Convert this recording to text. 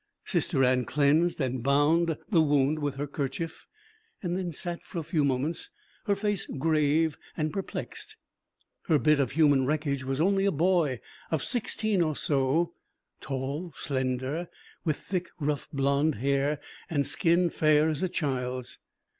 Sister Anne cleansed and bound the wound with her kerchief, and then sat for a few moments, her face grave and perplexed. Her bit of human wreckage was only a boy of sixteen or so, tall, slender, with thick, rough blond hair and skin fair as a child's.